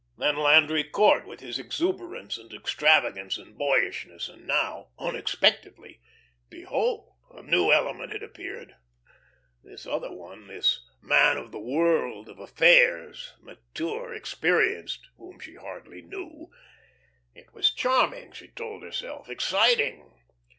Then Landry Court with his exuberance and extravagance and boyishness, and now unexpectedly behold, a new element had appeared this other one, this man of the world, of affairs, mature, experienced, whom she hardly knew. It was charming she told herself, exciting.